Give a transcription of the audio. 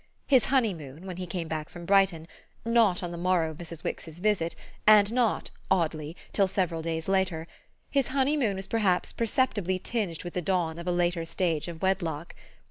His honeymoon, when he came back from Brighton not on the morrow of Mrs. Wix's visit, and not, oddly, till several days later his honeymoon was perhaps perceptibly tinged with the dawn of a later stage of wedlock.